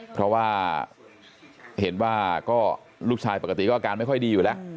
เพราะว่าเห็นว่าก็ลูกชายปกติก็อาการไม่ค่อยดีอยู่แล้ว